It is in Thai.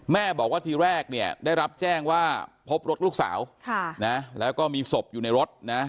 แม่บอกว่าทีแรกเนี่ยได้รับแจ้งว่าพบรถลูกสาวแล้วก็มีศพอยู่ในรถนะ